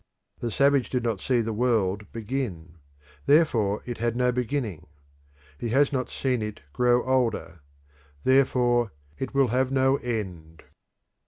The savage did not see the world begin; therefore it had no beginning. He has not seen it grow older; therefore it will have no end.